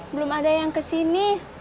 belum ada yang kesini